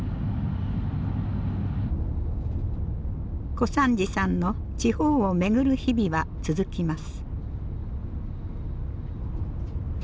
小三治さんの地方を巡る日々は続きます。